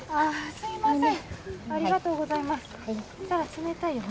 すいません。